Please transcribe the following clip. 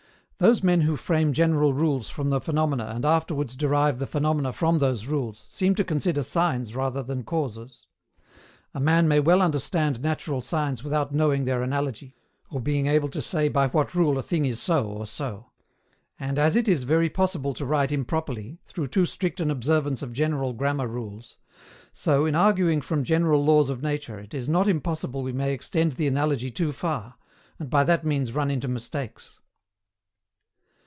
Those men who frame general rules from the phenomena and afterwards derive the phenomena from those rules, seem to consider signs rather than causes. A man may well understand natural signs without knowing their analogy, or being able to say by what rule a thing is so or so. And, as it is very possible to write improperly, through too strict an observance of general grammar rules; so, in arguing from general laws of nature, it is not impossible we may extend the analogy too far, and by that means run into mistakes.